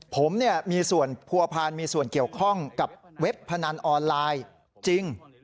ผมมีส่วนผัวพันธ์มีส่วนเกี่ยวข้องกับเว็บพนันออนไลน์จริง